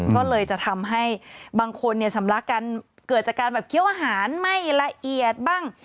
ก็เลยจะทำให้บางคนเนี่ยสำลักกันเกิดจากการแบบเคี้ยวอาหารไม่ละเอียดบ้าง